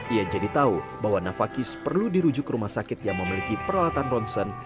ia jadi tahu bahwa nafakis perlu dirujuk ke rumah sakit yang memiliki peralatan ronsen